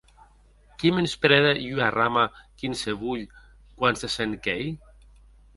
Qui mensprède ua arrama quinsevolh quan se sent quèir?